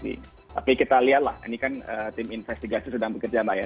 tapi kita lihatlah ini kan tim investigasi sedang bekerja mbak ya